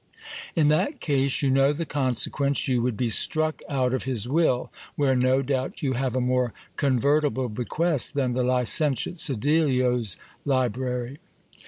In that case you know the consequence ; you would be struck out of his will, where no doubt you have a more convertible bequest than the licentiate Sedillo's library.